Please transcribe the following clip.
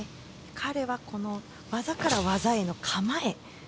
彼はこの技から技への構え